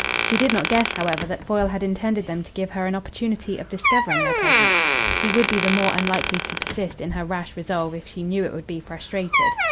She did not guess, however, that Foyle had intended them to give her an opportunity of discovering their presence. She would be the more unlikely to persist in her rash resolve if she knew it would be frustrated.